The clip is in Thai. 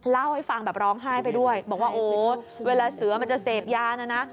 เล่าให้ฟังแบบร้องไห้ไปด้วยบอกว่าโอ้โหเวลาเสือมันจะเสพยานะนะ